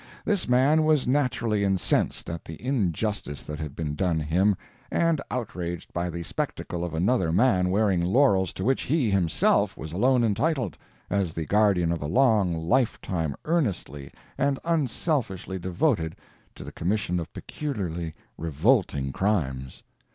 This man was naturally incensed at the injustice that had been done him, and outraged by the spectacle of another man wearing laurels to which he himself was alone entitled, as the guardian of a long lifetime earnestly and unselfishly devoted to the commission of peculiarly revolting crimes.